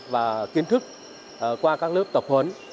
và kiến thức qua các lớp tập huấn